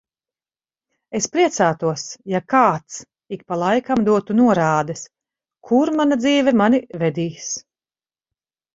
Es priecātos, ja kāds ik pa laikam dotu norādes, kur mana dzīve mani vedīs.